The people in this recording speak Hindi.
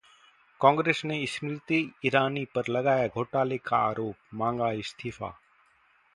कांग्रेस ने स्मृति ईरानी पर लगाया घोटाले का आरोप, मांगा इस्तीफा